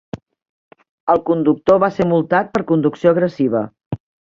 El conductor va ser multat per conducció agressiva.